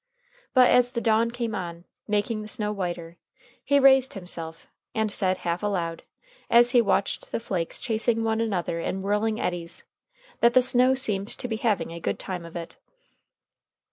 But as the dawn came on, making the snow whiter, he raised himself and said half aloud, as he watched the flakes chasing one another in whirling eddies, that the snow seemed to be having a good time of it.